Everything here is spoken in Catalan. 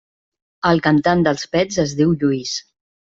El cantant dels Pets es diu Lluís.